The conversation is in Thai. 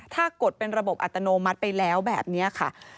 ถ้ากดเป็นระบบอัตโนมัติไปแล้วแบบนี้ค่ะ